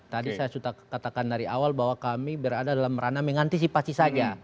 tadi saya sudah katakan dari awal bahwa kami berada dalam ranah mengantisipasi saja